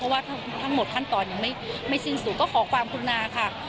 เพราะว่าทั้งหมดขั้นตอนยังไม่สินสูจน์ก็ขอความคุณาค่ะ